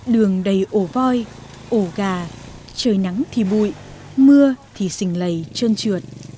đường đầy ổ voi ổ gà trời nắng thì bụi mưa thì xình lầy trơn trượt